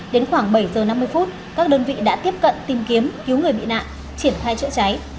đến khoảng bảy h năm mươi các đơn vị đã tiếp cận tìm kiếm cứu người bị nạn triển thai chữa cháy